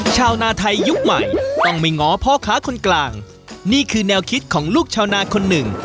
ชาวนาไทยยุคใหม่ต้องไม่ง้อพ่อค้าคนกลางนี่คือแนวคิดของลูกชาวนาคนหนึ่ง